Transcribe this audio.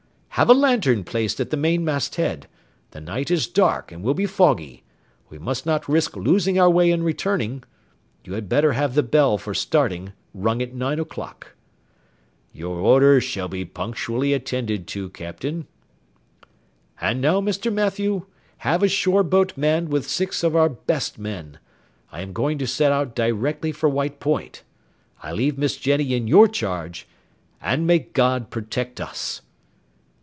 "Have a lantern placed at the mainmast head; the night is dark, and will be foggy; we must not risk losing our way in returning. You had better have the bell for starting rung at nine o'clock." "Your orders shall be punctually attended to, Captain." "And now, Mr. Mathew, have a shore boat manned with six of our best men. I am going to set out directly for White Point. I leave Miss Jenny in your charge, and may God protect us!"